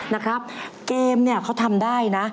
นะครับเกมเนี่ยเขาทำได้นะ